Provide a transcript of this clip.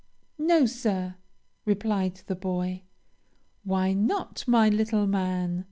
'No, sir,' replied the boy. 'Why not, my little man?'